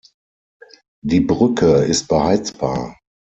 Die Brücke ist beheizbar.